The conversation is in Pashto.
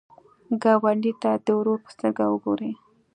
ګاونډي ته د ورور په سترګه وګوره